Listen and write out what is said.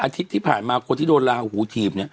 ที่ผ่านมาคนที่โดนลาหูถีบ